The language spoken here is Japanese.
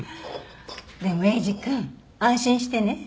でもエイジ君安心してね。